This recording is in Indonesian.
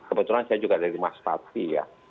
kebetulan saya juga dari mas pati ya